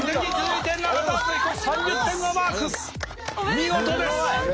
見事です！